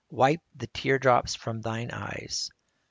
Wipe the tear drops from thine eyes.